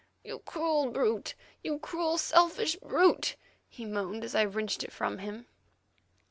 "You cruel brute! You cruel selfish brute!" he moaned as I wrenched it from him.